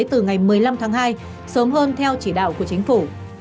từ ngày một mươi năm tháng hai sớm hơn theo chỉ đạo của chính phủ